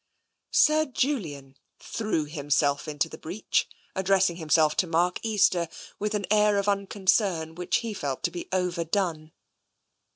Sir Julian threw himself into the breach, addressing himself to Mark Easter with an air of unconcern which he felt to be overdone.